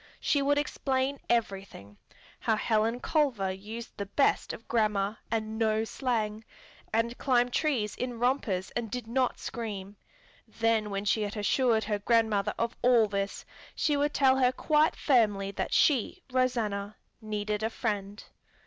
She would explain everything: how Helen Culver used the best of grammar, and no slang, and climbed trees in rompers and did not scream. Then when she had assured her grandmother of all this, she would tell her quite firmly that she, Rosanna, needed a friend.